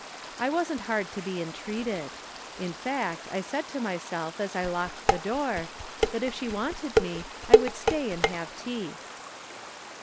I wasn't hard to be entreated ; in fact I saidT to myself as I locked the door, that if she wanted me I would stay and have tea.